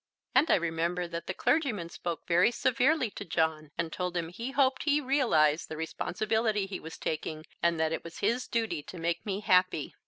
And I remember that the clergyman spoke very severely to John, and told him he hoped he realized the responsibility he was taking and that it was his duty to make me happy.